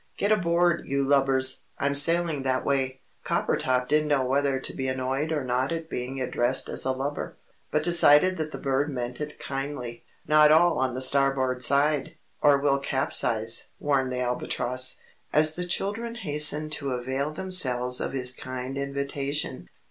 "Get aboard, you lubbers I'm sailing that way." Coppertop didn't know whether to be annoyed or not at being addressed as a "lubber," but decided that the bird meant it kindly. "Not all on the starboard side, or we'll capsize," warned the Albatross, as the children hastened to avail themselves of his kind invitation.